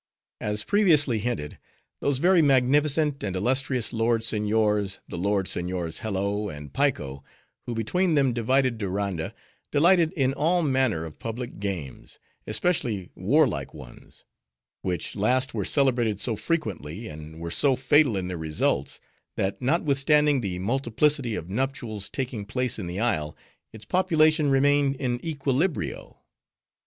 As previously hinted, those very magnificent and illustrious lord seigniors, the lord seigniors Hello and Piko, who between them divided Diranda, delighted in all manner of public games, especially warlike ones; which last were celebrated so frequently, and were so fatal in their results, that, not withstanding the multiplicity of nuptials taking place in the isle, its population remained in equilibrio.